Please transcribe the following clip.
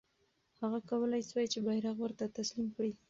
هغه کولای سوای چې بیرغ ورته تسلیم کړي.